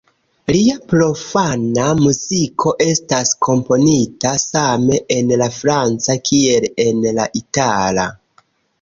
Lia profana muziko estas komponita same en la franca kiel en la itala.